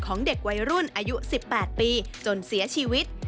ของเด็กวัยรุ่นอายุ๑๘ปีจนเสียชีวิต